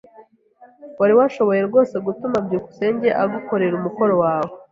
Wari washoboye rwose gutuma byukusenge agukorera umukoro wawe?